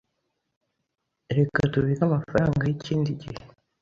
Reka tubike amafaranga y’ ikindi gihe.